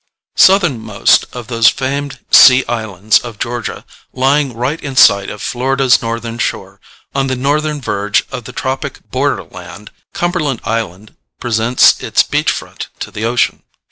Southernmost of those famed "Sea Islands" of Georgia, lying right in sight of Florida's northern shore, on the northern verge of the tropic border land, Cumberland Island presents its beach front to the ocean.